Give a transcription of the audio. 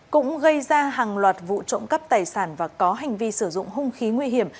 cũng gây ra hàng loạt vụ trộm cắp tài sản và có hành vi sử dụng hung khí nguy hiểm